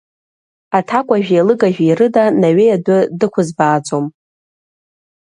Аҭакуажәи алыгажәи рыда Наҩеи адәы дықузбааӡом.